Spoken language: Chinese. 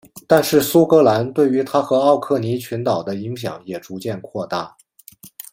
但是苏格兰对于它和奥克尼群岛的影响也逐渐扩大。